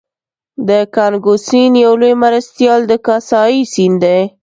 د کانګو سیند یو لوی مرستیال د کاسای سیند دی